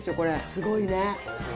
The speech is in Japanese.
すごいね。